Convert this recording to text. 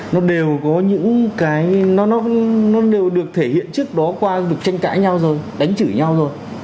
nó đều có những cái nó đều được thể hiện trước đó qua việc tranh cãi nhau rồi đánh chửi nhau rồi